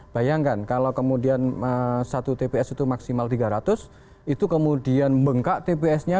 bayangkan kalau kemudian satu tps itu maksimal tiga ratus itu kemudian bengkak tps nya